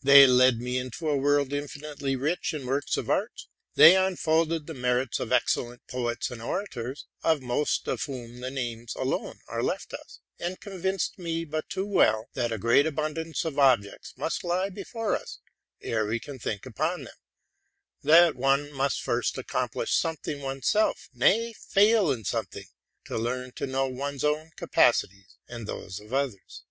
They led me into a world infinitely rich in works of art: they unfolded the merits of excellent poets and orators, of most of whom the names alone are left us, and convinced me but too well that a great abundance of objects must lie before us ere we can think upon them; that one 128 TRUTH AND FICTION must first accomplish something one's self, nay, fail in some thing, to learn to know one's own capacities, and those of others.